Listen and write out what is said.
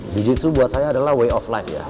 jiu jitsu buat saya adalah way of life ya